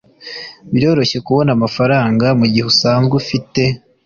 Biroroshye kubona amafaranga mugihe usanzwe ufite